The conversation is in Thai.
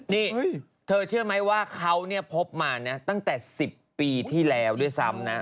นี่เธอเชื่อไหมว่าเขาเนี่ยพบมานะตั้งแต่๑๐ปีที่แล้วด้วยซ้ำนะ